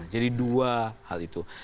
jadi dua hal itu